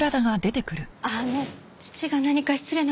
あの父が何か失礼な事でも？